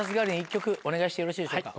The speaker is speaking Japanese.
お願いしてよろしいでしょうか？